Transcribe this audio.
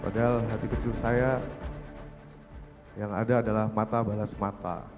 padahal hati kecil saya yang ada adalah mata balas mata